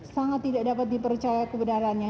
sangat tidak dapat dipercaya kebenarannya